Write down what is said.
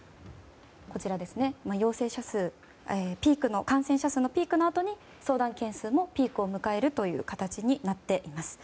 こちら、陽性者数感染者数のピークのあとに相談件数もピークを迎える形になっています。